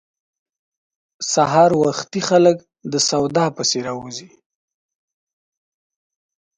سهار وختي خلک د سودا پسې راوزي.